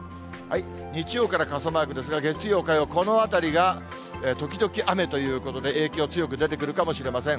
日曜から傘マークですが、月曜、火曜、このあたりが時々雨ということで、影響強く出てくるかもしれません。